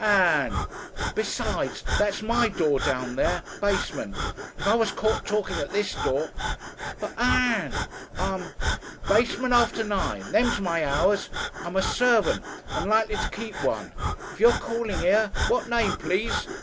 "Ann!" "Besides. That's my door, down there. Basement. If I was caught talking at this door !" "But, Ann, I'm " "Basement after nine. Them's my hours. I'm a servant and likely to keep one. If you're calling here, what name please?